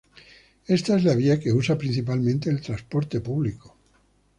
Esta es la vía que usa principalmente el transporte público.